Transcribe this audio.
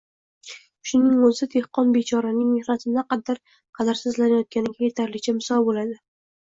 – shuning o‘zi dehqon bechoraning mehnati naqadar qadrsizlanayotganiga yetarlicha misol bo‘ladi.